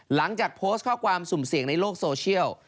หลังจากโพสต์ข้อความสุ่มเสี่ยงในโลกโซเชียล